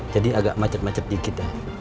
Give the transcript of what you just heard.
jadi agak macet macet dikit ya